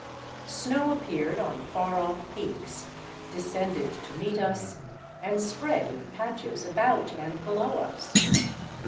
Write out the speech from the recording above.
Snow appeared on far off peaks, descended to meet us, and spread in patches about and below us.